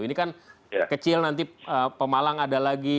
ini kan kecil nanti pemalang ada lagi